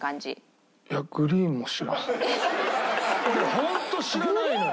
ホント知らないのよ。